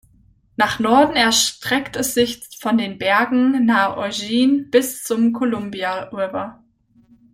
Nach Norden erstreckt es sich von den Bergen nahe Eugene bis zum Columbia River.